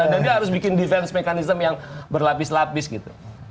dan dia harus bikin defense mechanism yang berlapis lapis gitu